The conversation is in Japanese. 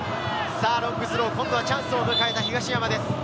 ロングスロー、今度はチャンスを迎えた東山です。